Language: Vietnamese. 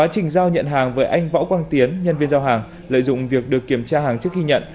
trình giao nhận hàng với anh võ quang tiến nhân viên giao hàng lợi dụng việc được kiểm tra hàng trước khi nhận